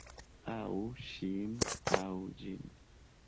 Aŭ... ŝin, aŭ ĝin.